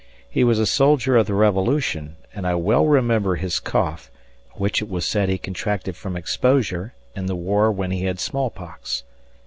He was a soldier of the Revolution, and I well remember his cough, which it was said he contracted from exposure in the war when he had smallpox.